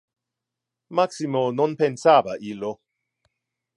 Maximo non pensava illo.